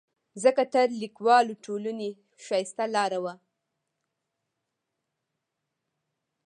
ځکه تر لیکوالو ټولنې ښایسته لاره وه.